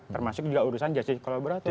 termasuk juga urusan justice kolaborator